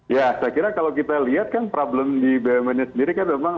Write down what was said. ya saya kira kalau kita lihat kan problem di bumn nya sendiri kan memang